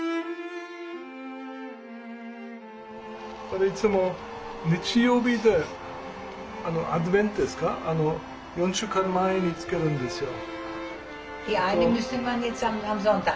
これいつも日曜日でアドベントですか４週間前につけるんですよ。